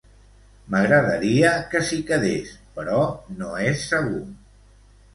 M'agradaria que s'hi quedés, però no és segur.